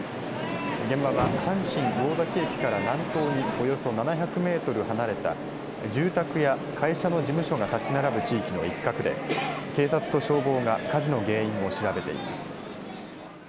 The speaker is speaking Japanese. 現場は、阪神魚崎駅から南東におよそ７００メートル離れた住宅や会社の事務所が建ち並ぶ地域の一角で警察と消防が火事の原因を調べています。